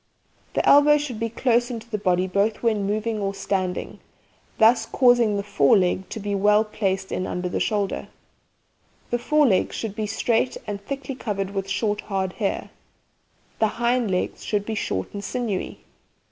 The elbow should be close in to the body both when moving or standing, thus causing the fore leg to be well placed in under the shoulder. The fore legs should be straight and thickly covered with short hard hair. The hind legs should be short and sinewy.